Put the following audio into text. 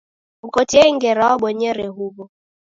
Mkotie ngera wabonyere huwo